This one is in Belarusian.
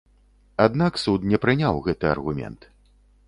Аднак суд не прыняў гэты аргумент.